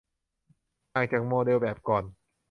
ต่างจากโมเดลแบบก่อน